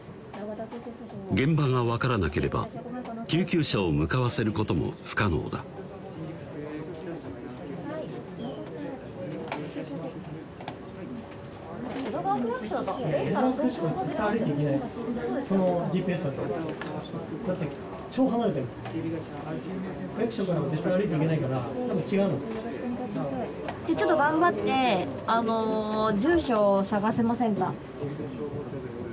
現場が分からなければ救急車を向かわせることも不可能だ江戸川区役所だとちょっと頑張って住所探せませんか？